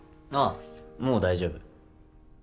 ああもう大丈夫